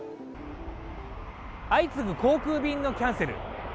相次ぐ航空便のキャンセル。